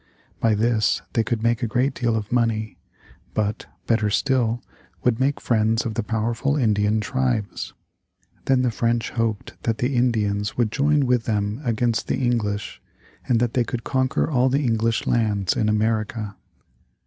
By this they could make a great deal of money, but, better still, would make friends of the powerful Indian tribes. Then the French hoped that the Indians would join with them against the English and that they could conquer all the English lands in America.